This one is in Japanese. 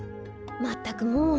まったくもう。